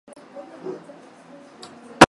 Nchu nkwavo.